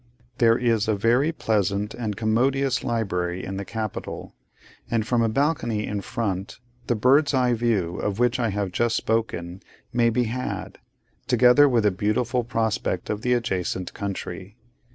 There is a very pleasant and commodious library in the Capitol; and from a balcony in front, the bird's eye view, of which I have just spoken, may be had, together with a beautiful prospect of the adjacent country.